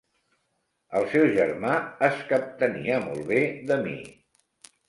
El seu germà es captenia molt bé de mi.